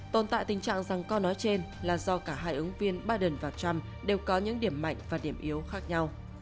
tồn tại tình trạng rằng co nói trên là do cả hai ứng viên baden và trump đều có những điểm mạnh và điểm yếu khác nhau